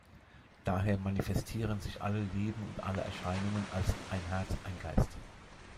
Daher manifestieren sich alle Leben und alle Erscheinungen als „Ein Herz, ein Geist“.